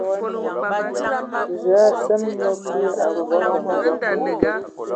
Zəə a seme nyia Kulu abui ai abəŋ bidi.